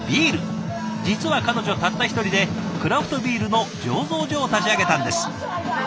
実は彼女たった一人でクラフトビールの醸造所を立ち上げたんです。